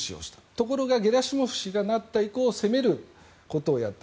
ところがゲラシモフ氏がなって以降攻めることをやった。